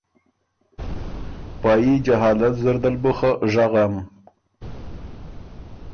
پايي جهالت زر دل بُو خه ژغم